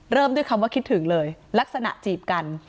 เริ่มด้วยคำว่าคิดถึงเลยลักษณะจีบกัน